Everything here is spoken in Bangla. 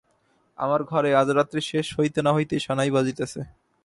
আমার ঘরে আজ রাত্রি শেষ হইতে না হইতে সানাই বাজিতেছে।